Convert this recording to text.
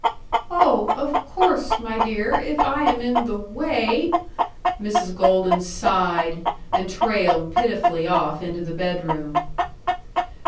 "Oh, of course, my dear, if I am in the way !" Mrs. Golden sighed, and trailed pitifully off into the bedroom.